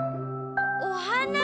おはな？